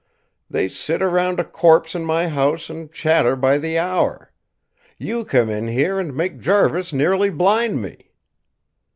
They sit around a corpse in my house and chatter by the hour. You come in here and make Jarvis nearly blind me.